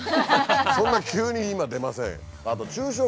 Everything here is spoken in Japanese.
そんな急に今出ません。